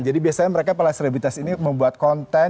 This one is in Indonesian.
jadi biasanya mereka pada selebritas ini membuat konten